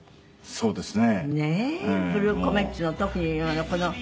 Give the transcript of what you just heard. そうですね。